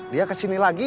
dia kesini lagi